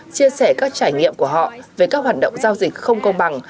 chia sẻ các trải nghiệm của họ về các hoạt động giao dịch không công bằng